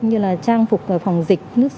như là trang phục phòng dịch nước xe